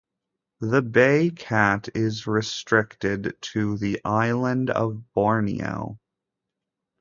The bay cat is restricted to the island of Borneo.